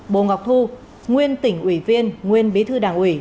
bồ ngọc thu nguyên tỉnh ủy viên nguyên bí thư đảng ủy